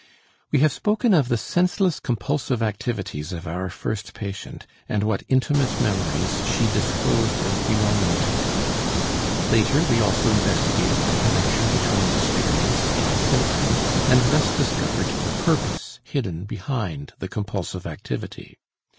We have spoken of the senseless compulsive activities of our first patient, and what intimate memories she disclosed as belonging to them; later we also investigated the connection between experience and symptom and thus discovered the purpose hidden behind the compulsive activity.